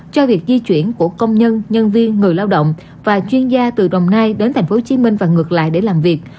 cho việc di chuyển của công nhân nhân viên người lao động và chuyên gia từ đồng nai đến tp hcm và ngược lại để làm việc